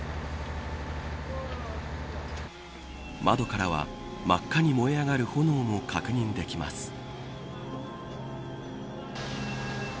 窓からは、真っ赤に燃え上がる炎も確認できます。